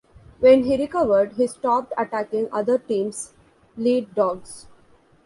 When he recovered, he stopped attacking other teams' lead dogs.